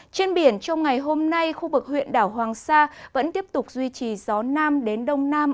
trên biển trong ngày hôm nay khu vực huyện đảo hoàng sa vẫn tiếp tục duy trì gió nam đến đông nam